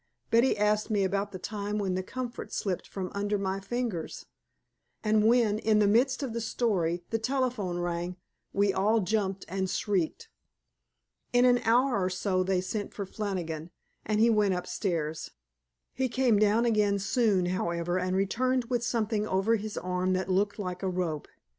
Betty asked me about the time when the comfort slipped from under my fingers. And when, in the midst of the story, the telephone rang, we all jumped and shrieked. In an hour or so they sent for Flannigan, and he went upstairs. He came down again soon, however, and returned with something over his arm that looked like a rope.